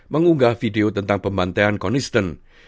mengunggah video tentang pembantaian konsisten